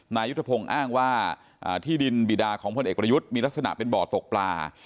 นายุทธพงศ์อ้างว่าที่ดินบีดาของพลเอกประยุทธ์มีลักษณะเป็นบ่อตกปลา